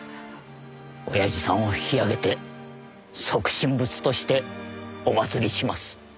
おやじさんを引き上げて即身仏としておまつりします。